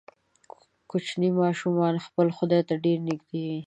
کوچني ماشومان خپل خدای ته ډیر نږدې وي.